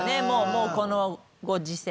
もうこのご時世。